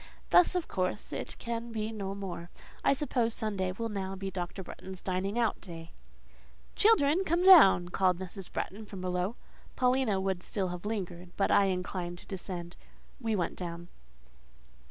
Thus, of course, it can be no more. I suppose Sunday will now be Dr. Bretton's dining out day….?" "Children, come down!" here called Mrs. Bretton from below. Paulina would still have lingered, but I inclined to descend: we went down.